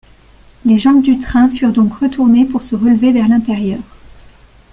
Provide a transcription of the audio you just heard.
Les jambes du train furent donc retournées pour se relever vers l’intérieur.